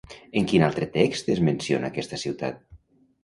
En quin altre text es menciona aquesta ciutat?